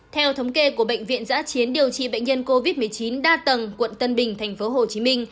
theo thống kê của bệnh viện giã chiến điều trị bệnh nhân covid một mươi chín đa tầng quận tân bình tp hcm